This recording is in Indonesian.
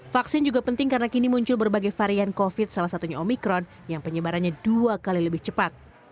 vaksin juga penting karena kini muncul berbagai varian covid salah satunya omikron yang penyebarannya dua kali lebih cepat